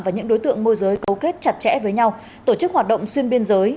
và những đối tượng môi giới cấu kết chặt chẽ với nhau tổ chức hoạt động xuyên biên giới